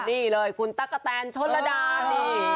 นี่เลยคุณตั๊กกะแตนชนระดานี่